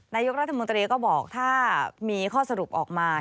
นายกรัฐมนตรีก็บอกถ้ามีข้อสรุปออกมา